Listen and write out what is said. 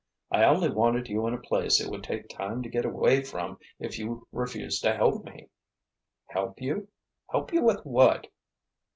I only wanted you in a place it would take time to get away from if you refused to help me." "Help you—help you with what?"